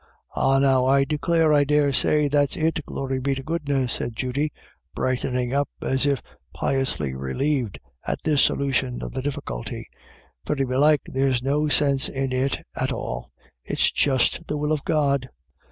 " Ah now, I declare I dare say that's it, glory be to goodness," said Judy, brightening up, as if piously relieved at this solution of the difficulty, " very belike there's no sinse in it at all; it's just the will of God."